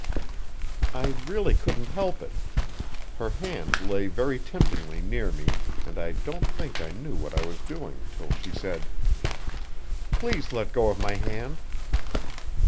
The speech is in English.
I really couldn't help it. Her hand lay very temptingly near me, and I don't think I knew what I was doing till she said: "Please let go of my hand."